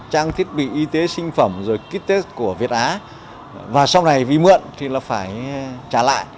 trang thiết bị y tế sinh phẩm rồi ký test của việt á và sau này vì mượn thì là phải trả lại